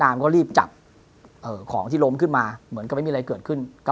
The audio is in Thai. มาก็ได้ัมมันก็ไม่มีอะไรเกิดขึ้นกันอ่ะแหละ